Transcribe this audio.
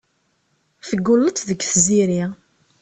Teggulleḍ deg Tiziri.